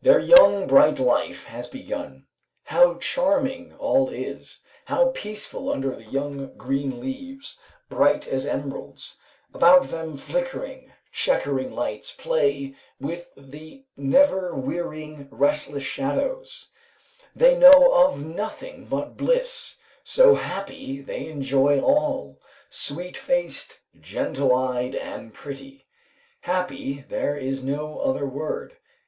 Their young, bright life has begun; how charming all is, how peaceful under the young, green leaves, bright as emeralds; about them flickering, chequering lights play with the never wearying, restless shadows; they know of nothing but bliss, so happy, they enjoy all sweet faced, gentle eyed and pretty. Happy, there is no other word.